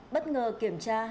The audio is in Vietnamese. bất ngờ kiểm tra